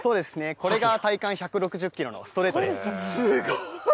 これが体感１６０キロのストレーすごい。